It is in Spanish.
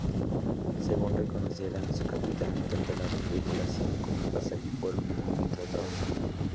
Según reconocería su capitán, tanto la tripulación como el pasaje fueron muy bien tratados.